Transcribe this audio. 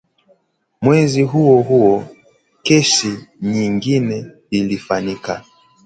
" Mwezi huo huo, kesi nyingine ilifika"